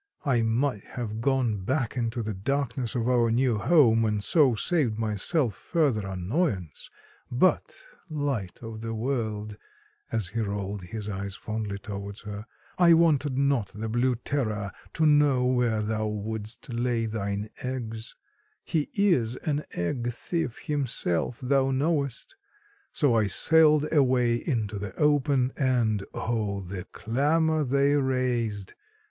I might have gone back into the darkness of our new home and so saved myself further annoyance, but, light of the world," as he rolled his eyes fondly toward her, "I wanted not the blue terror to know where thou wouldst lay thine eggs—he is an egg thief, himself, thou knowest—so I sailed away into the open, and, O, the clamor they raised.